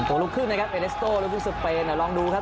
โอกาสอาวุธหนึ่งอีกนิดครับ